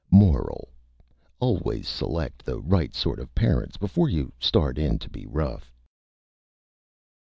MORAL: _Always select the Right Sort of Parents before you start in to be Rough.